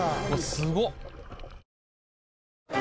すごっ！